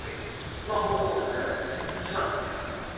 スマホを操作しながら運転１万２０００円。